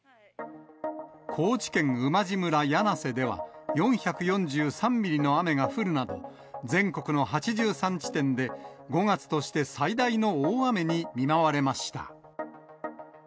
高知県馬路村魚梁瀬では、４４３ミリの雨が降るなど、全国の８３地点で５月として最大の大雨に見舞われました。